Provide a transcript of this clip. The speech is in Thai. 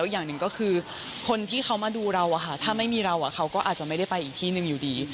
อย่างหนึ่งก็คือคนที่เขามาดูเราถ้าไม่มีเราเขาก็อาจจะไม่ได้ไปอีกที่หนึ่งอยู่ดี